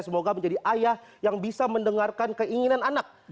semoga menjadi ayah yang bisa mendengarkan keinginan anak